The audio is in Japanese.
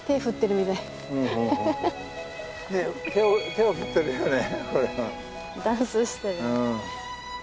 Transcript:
手を振ってるよねこれは。